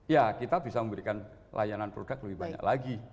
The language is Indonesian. ya kita bisa memberikan layanan produk lebih banyak lagi